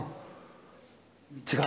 違う？